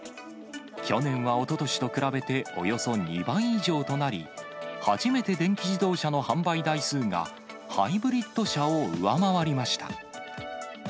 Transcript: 去年はおととしと比べておよそ２倍以上となり、初めて電気自動車の販売台数が、ハイブリッド車を上回りました。